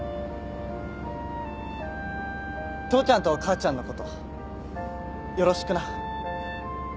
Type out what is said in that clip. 父ちゃんと母ちゃんのことよろしくな。